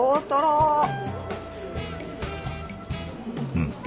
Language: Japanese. うん。